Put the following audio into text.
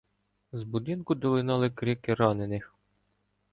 З будинку долинали крики ранених.